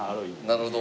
なるほど。